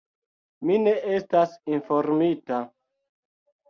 Mi ne estas informita.